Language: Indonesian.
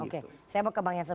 oke saya mau ke bang jansen